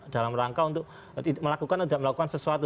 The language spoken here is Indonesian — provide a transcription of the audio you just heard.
dalam rangka untuk melakukan sesuatu